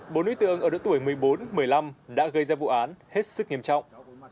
bốn nữ tượng ở độ tuổi một mươi bốn một mươi năm đã gây ra vụ án hết sức nghiêm trọng